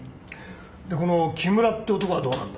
でこの木村って男はどうなんだ？